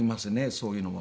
そういうのは。